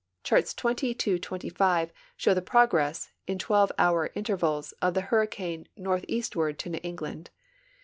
Charts XX to XXV show the progress, in twelve hour inter vals, of the hurricane northeastward to New England.